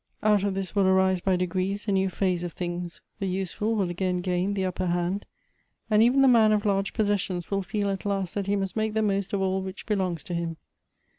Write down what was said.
Out of this will arise by degrees a new phase of things : the useful will again gain the upper hand ; and even the man of large possessions will feel at last that he must make the most of all which belongs to him.